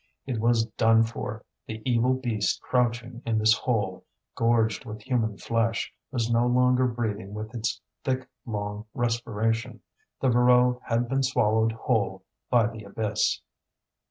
It was done for; the evil beast crouching in this hole, gorged with human flesh, was no longer breathing with its thick, long respiration. The Voreux had been swallowed whole by the abyss.